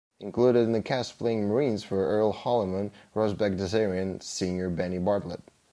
Included in the cast playing marines were Earl Holliman, Ross Bagdasarian, Senior Benny Bartlett.